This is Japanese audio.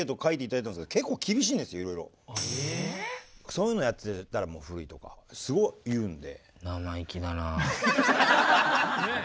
そういうのやってたらもう古いとかすごい言うんで。